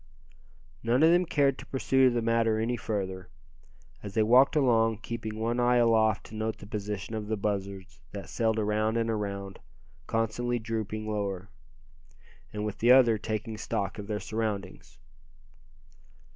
None of them cared to pursue the matter any further, as they walked along, keeping one eye aloft to note the position of the buzzards that sailed around and around, constantly dropping lower, and with the other taking stock of their surroundings.